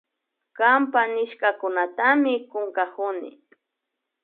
Kanpa nishkakunatami kunkakuni